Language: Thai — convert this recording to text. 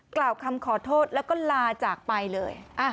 กล่าวคำขอโทษแล้วก็ลาจากไปเลย